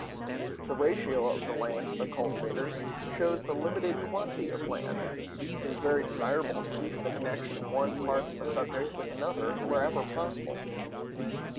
The ratio of the land to the cultivators shows the limited quantity of land. It is very desirable to keep the connection of one part of the subject with another wherever possible.